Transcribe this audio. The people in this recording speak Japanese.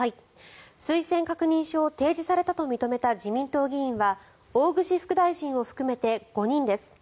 推薦確認書を提示されたと認めた自民党議員は大串副大臣を含めて５人です。